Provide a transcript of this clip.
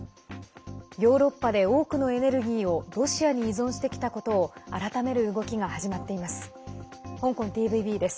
ヨーロッパで多くのエネルギーをロシアに依存してきたことを改める動きが始まっています。